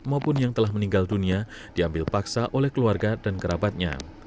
maupun yang telah meninggal dunia diambil paksa oleh keluarga dan kerabatnya